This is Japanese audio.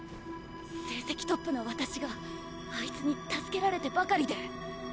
成績トップの私があいつに助けられてばかりで！